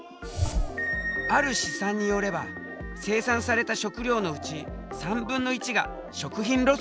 ある試算によれば生産された食料のうち３分の１が食品ロスになっている。